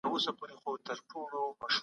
ایا تاسو د دې موضوع په اړه پوره معلومات لرئ.